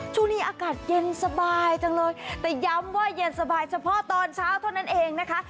ช่วงนี้อากาศเย็นสบายจังเลยแต่ย้ำว่าเย็นสบายเฉพาะตอนเช้าเท่านั้นเองนะคะ